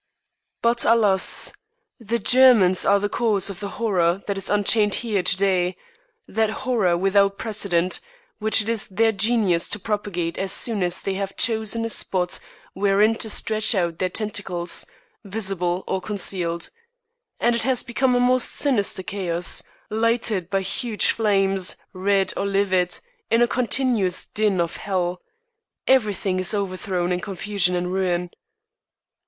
But alas! the Germans are the cause of the horror that is unchained here to day, that horror without precedent, which it is their genius to propagate as soon as they have chosen a spot wherein to stretch out their tentacles, visible or concealed. And it has become a most sinister chaos, lighted by huge flames, red or livid, in a continuous din of hell. Everything is overthrown in confusion and ruin.